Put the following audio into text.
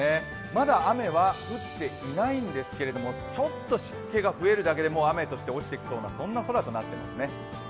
まだ雨は降っていないんですけれども、ちょっと湿気が増えるだけでもう雨として落ちてきそうな空になっていますね。